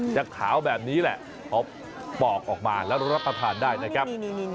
จะขาวแบบนี้แหละพอปอกออกมาแล้วรับประทานได้นะครับ